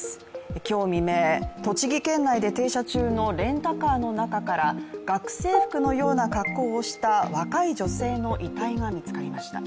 今日未明、栃木県内で停車中のレンタカーの中から学生服のような格好をした若い女性の遺体が見つかりました。